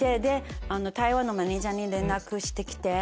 台湾のマネジャーに連絡して来て。